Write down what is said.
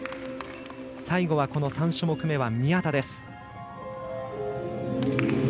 最後は３種目めは宮田です。